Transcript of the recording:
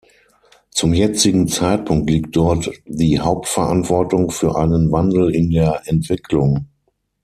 Zum jetzigen Zeitpunkt liegt dort die Hauptverantwortung für einen Wandel in der Entwicklung.